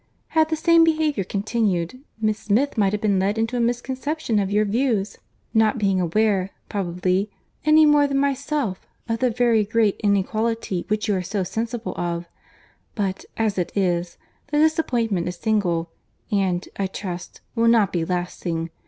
Had the same behaviour continued, Miss Smith might have been led into a misconception of your views; not being aware, probably, any more than myself, of the very great inequality which you are so sensible of. But, as it is, the disappointment is single, and, I trust, will not be lasting.